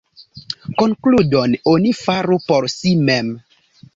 Konkludon oni faru por si mem.